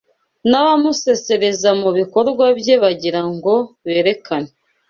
n’abamusesereza mu bikorwa bye bagira ngo berekane